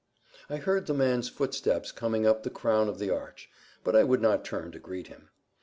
I heard the man's footsteps coming up the crown of the arch, but I would not turn to greet him.